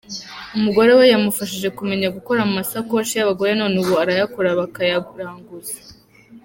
Umugore we yamufashije kumenya gukora amasakoshi y’abagore none ubu arayakora bakayaranguza.